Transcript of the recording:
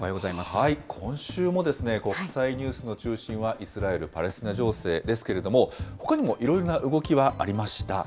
今週も、国際ニュースの中心はイスラエル・パレスチナ情勢ですけれども、ほかにもいろいろな動きがありました。